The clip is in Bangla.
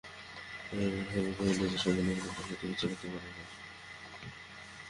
এমনভাবে কহিল যেন ও-সম্বন্ধে কোনো তর্কই চলিতে পারে না।